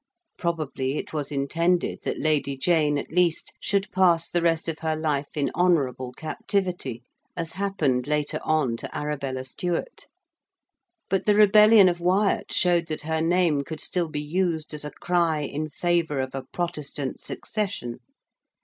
Probably it was intended that Lady Jane, at least, should pass the rest of her life in honourable captivity, as happened later on to Arabella Stuart. But the rebellion of Wyatt showed that her name could still be used as a cry in favour of a Protestant succession.